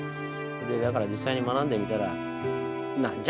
だから実際に学んでみたら「何じゃ？